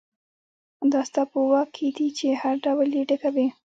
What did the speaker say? دا ستا په واک کې دي چې هر ډول یې ډکوئ.